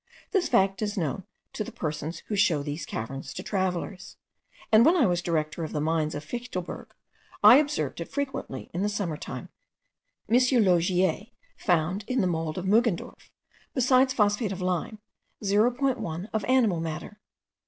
This fact is known to the persons who show these caverns to travellers; and when I was director of the mines of the Fichtelberg, I observed it frequently in the summer time. M. Laugier found in the mould of Muggendorf, besides phosphate of lime, 0.10 of animal matter.